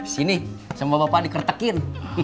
sini sama bapak dikretekin